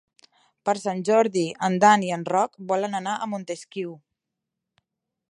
Per Sant Jordi en Dan i en Roc volen anar a Montesquiu.